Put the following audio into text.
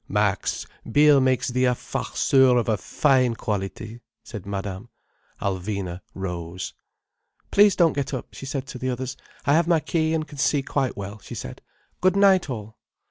"Max, beer makes thee a farceur of a fine quality," said Madame. Alvina rose. "Please don't get up," she said to the others. "I have my key and can see quite well," she said. "Good night all."